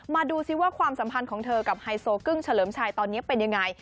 มาดูซิว่าความสัมพันธ์ของเธอกับไฮโซกึ้งเฉลิมชัยตอนนี้เป็นยังไง